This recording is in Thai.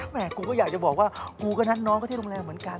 แม่กูก็อยากจะบอกว่ากูก็นัดน้องเขาที่โรงแรมเหมือนกัน